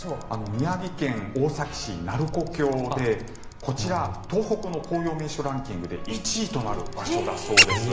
宮城県大崎市・鳴子峡でこちら、東北の紅葉名所ランキングで１位となる場所だそうです。